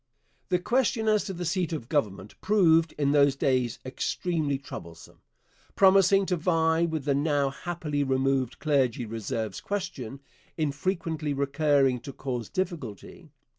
The question as to the seat of government proved in those days extremely troublesome, promising to vie with the now happily removed Clergy Reserves question, in frequently recurring to cause difficulty.